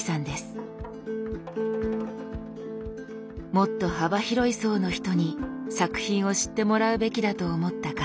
「もっと幅広い層の人に作品を知ってもらうべきだ」と思った笠谷さん。